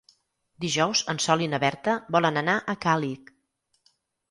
Dijous en Sol i na Berta volen anar a Càlig.